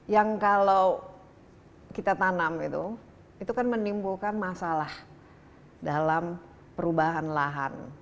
yang kalau kita tanam itu itu kan menimbulkan masalah dalam perubahan lahan